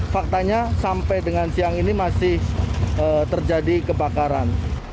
faktanya sampai dengan siang ini masih terjadi kebakaran